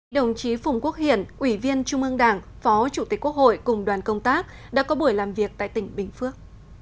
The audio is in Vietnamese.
đồng chí phùng quốc hiển ủy viên trung ương đảng phó chủ tịch quốc hội cùng đoàn công tác đã có buổi làm việc tại tỉnh bình phước